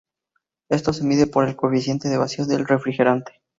Esto se mide por el coeficiente de vacío del refrigerante.